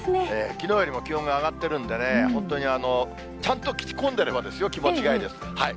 きのうよりも気温が上がってるんでね、本当にちゃんと着込んでればですよ、気持ちがいいです。